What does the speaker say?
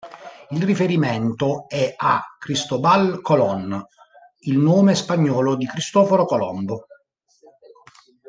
Il riferimento è a "Cristóbal Colón", il nome spagnolo di Cristoforo Colombo.